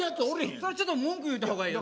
それちょっと文句言うた方がええよ。